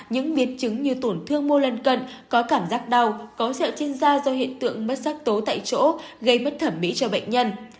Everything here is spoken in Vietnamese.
những biến chứng như tổn thương mô lân cận có cảm giác đau có rượu trên da do hiện tượng mất sắc tố tại chỗ gây mất thẩm mỹ cho bệnh nhân